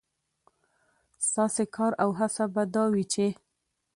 ستاسې کار او هڅه به دا وي، چې